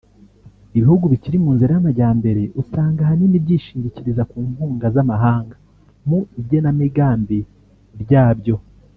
Ibihugu bikiri mu nzira y’amajyambere usanga ahanini byishingikiriza ku nkunga z’amahanga mu igenamigambi ryabyo